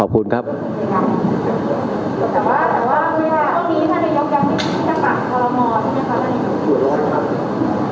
โอเคครับขอบคุณครับ